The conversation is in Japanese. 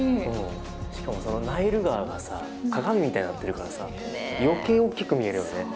しかもナイル川がさ鏡みたいになってるからさ余計おっきく見えるよね。